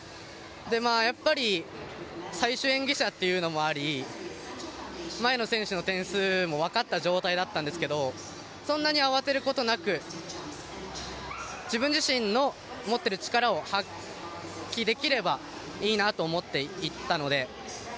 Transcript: で、やっぱり最終演技者というのもあり前の選手の点数も分かった状態だったんですがそんなに慌てることなく自分自身の持っている力を発揮できればいいなと思って行ったので。